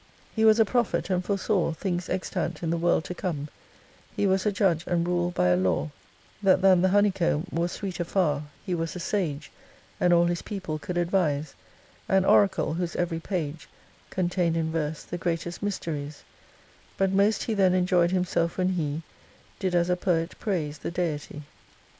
4 He was a prophet, and foresaw Things extant in the world to come : He was a judge, and ruled by a law That than the honeycomb *I3 Was sweeter far : he was a sage, And all his people could advise ; An oracle, whose every page Contained in verse the greatest mysteries ; But most he then enjoyed himself when he Did as a poet praise the Deity.